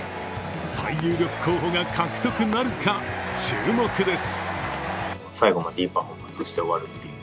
最有力候補が獲得なるか、注目です